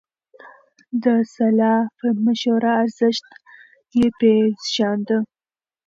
د سلا مشورو ارزښت يې پېژانده.